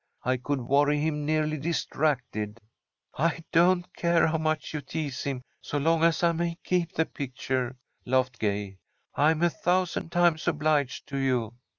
I could worry him nearly distracted." "I don't care how much you tease him so long as I may keep the picture," laughed Gay. "I'm a thousand times obliged to you."